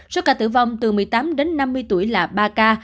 số ca tử vong từ một mươi tám đến năm mươi tuổi là ba ca